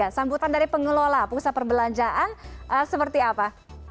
sambutan dari pengelola pusat perbelanjaan seperti apa